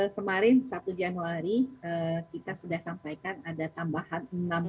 kemarin satu januari kita sudah sampaikan ada tambahan enam